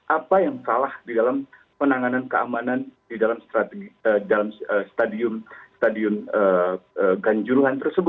apa yang salah di dalam penanganan keamanan di dalam stadium keamanan